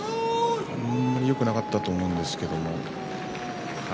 よくなかったと思うんですけれども。